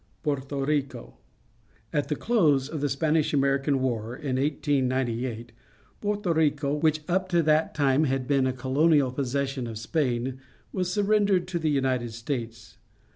' Porto Rico. — At the close of the Spanish American War, in 1S98, Porto Rico, which up to that time had been a colonial possession of Spain, was surrendered to the United States.